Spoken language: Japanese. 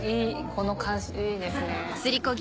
この感じいいですね。